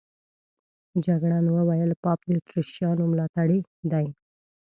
جګړن وویل پاپ د اتریشیانو ملاتړی دی.